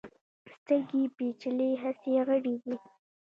سترګې پیچلي حسي غړي دي.